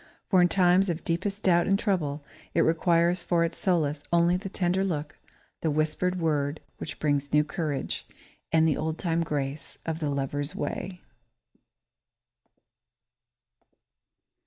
For in times of deepest doubt and trouble, it requires for its solace only the tender look, the whispered word which brings new courage, and the old time grace of the lover's way.